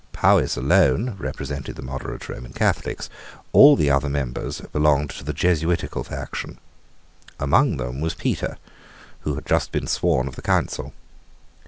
Powis alone represented the moderate Roman Catholics. All the other members belonged to the Jesuitical faction. Among them was Petre, who had just been sworn of the Council.